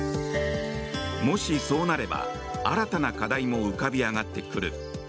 もしそうなれば新たな課題も浮かび上がってくる。